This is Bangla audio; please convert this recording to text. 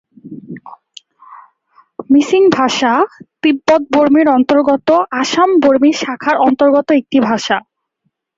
মিসিং ভাষা তিব্বত-বর্মীর অন্তর্গত আসাম-বর্মী শাখার অন্তর্গত একটি ভাষা।